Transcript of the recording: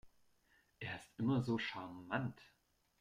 Er ist immer so charmant.